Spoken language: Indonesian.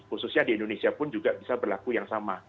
khususnya di indonesia pun juga bisa berlaku yang sama